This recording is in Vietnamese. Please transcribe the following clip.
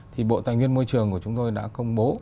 thì bộ tài nguyên môi trường của chúng tôi đã công bố